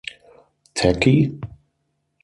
Tacky?